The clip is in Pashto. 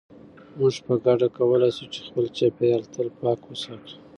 موږ په ګډه کولای شو چې خپل چاپیریال تل پاک وساتو.